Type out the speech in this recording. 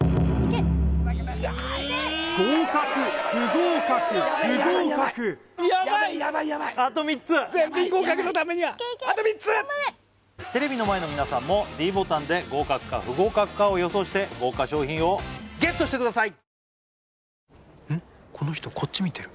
合格不合格不合格全品合格のためにはあと３つテレビの前の皆さんもｄボタンで合格か不合格かを予想して豪華賞品をＧＥＴしてください